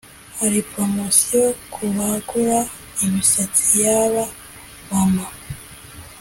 Hari promotion kubagura imisatsi yaba mama